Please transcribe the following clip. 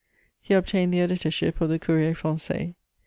He obtained the editorship of the _Courrier français.